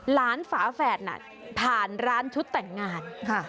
หลานฝาแฝดน่ะผ่านร้านชุดแต่งงานค่ะ